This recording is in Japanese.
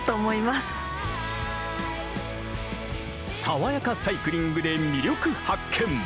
爽やかサイクリングで魅力発見。